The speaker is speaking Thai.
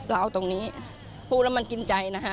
เราเอาตรงนี้พูดแล้วมันกินใจนะฮะ